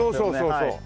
そうそう。